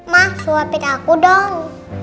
mas suapin aku dong